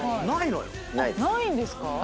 ないんですか？